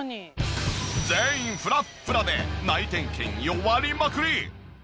全員フラッフラで内転筋弱りまくり！